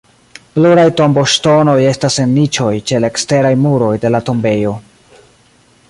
Pluraj tomboŝtonoj estas en niĉoj ĉe la eksteraj muroj de la tombejo.